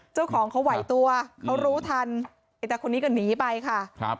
เจ้าของเขาไหวตัวเขารู้ทันไอ้ตาคนนี้ก็หนีไปค่ะครับ